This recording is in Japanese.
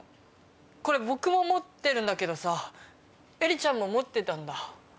これ僕も持ってるんだけどさエリちゃんも持ってたんだ。